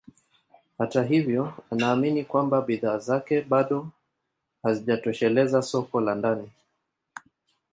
Hata hivyo anaamini kwamba bidhaa zake bado hazijatosheleza soko la ndani